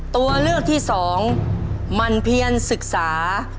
ตัวเลือกที่สองหมั่นเพียนศึกษา